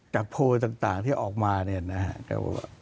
โพลต่างที่ออกมาเนี่ยนะครับ